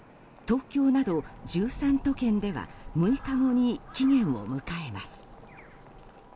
東京など１３都県では６日後に期限を迎えます。